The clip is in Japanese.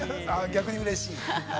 逆にうれしい。